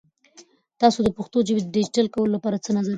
تاسو د پښتو ژبې د ډیجیټل کولو لپاره څه نظر لرئ؟